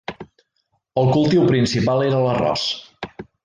El cultiu principal era l'arròs.